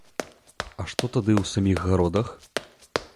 А што тады ў саміх гародах?